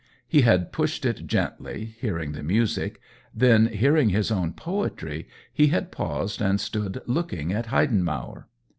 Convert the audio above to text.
He had pushed it gently, hearing the music ; then hearing also COLLABORATION 127 his own poetry he had paused and stood looking at Heidenmauer.